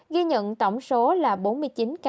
ghi nhận tổng số là bốn mươi chín ca